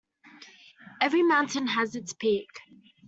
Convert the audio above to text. Every mountain has its peak.